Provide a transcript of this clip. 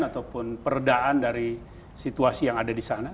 ataupun peredaan dari situasi yang ada di sana